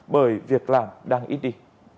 bởi việc làm đang ít đi